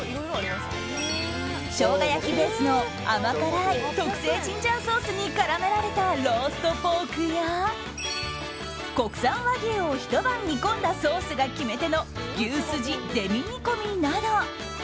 ショウガ焼きベースの甘辛い特製ジンジャーソースに絡められたローストポークや国産和牛をひと晩煮込んだソースが決め手の牛すじデミ煮込みなど